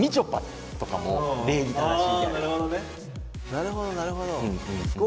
なるほどなるほど。